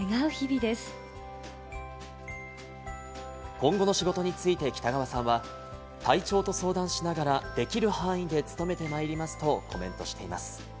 今後の仕事について北川さんは、体調と相談しながら、できる範囲でつとめてまいりますとコメントしています。